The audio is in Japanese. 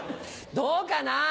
どうかな。